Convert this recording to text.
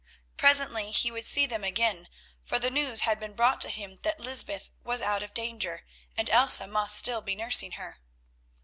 Presently he would see them again, for the news had been brought to him that Lysbeth was out of danger and Elsa must still be nursing her.